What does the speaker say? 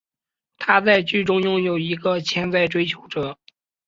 她在剧中拥有一个潜在追求者。